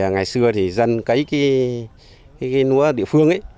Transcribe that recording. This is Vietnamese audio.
ngày xưa thì dân cấy cái lúa địa phương